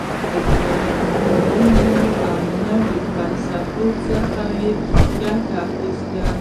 اروپايي علومو او نوي فسلفې څخه یې ګټه اخیستې.